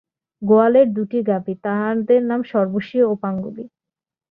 গোয়ালের দুটি গাভী, তাহাদের নাম সর্বশী ও পাঙ্গুলি।